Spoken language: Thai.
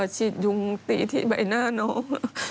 ฉีดยุงตีที่ใบหน้าน้อง